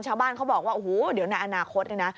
ชาวบ้านเขาบอกว่าโอ้โหเดี๋ยวในอนาคตเนี่ยนะ